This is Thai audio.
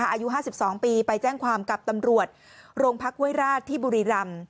อายุ๕๒ปีไปแจ้งความกับตำรวจโรงพักห้วยราชที่บุรีรำ